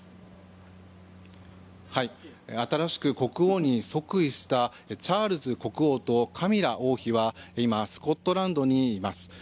新しく国王に即位したチャールズ国王とカミラ王妃は今、スコットランドにいます。